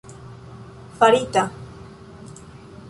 farita